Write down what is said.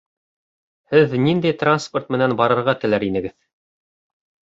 Һеҙ ниндәй транспорт менән барырға теләр инегеҙ?